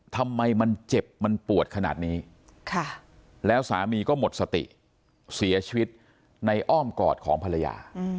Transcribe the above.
ทำไมมันเจ็บมันปวดขนาดนี้แล้วสามีก็หมดสติเสียชีวิตในอ้อมกอดของภรรยา